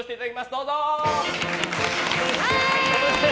どうぞ！